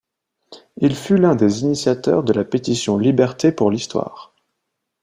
Il fut l'un des initiateurs de la pétition Liberté pour l'histoire.